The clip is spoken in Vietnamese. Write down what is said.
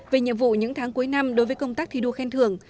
về nhiệm vụ những tháng cuối năm đối với công tác thi đua khen thường